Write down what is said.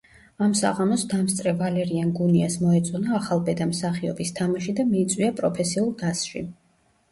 ამ საღამოს დამსწრე ვალერიან გუნიას მოეწონა ახალბედა მსახიობის თამაში და მიიწვია პროფესიულ დასში.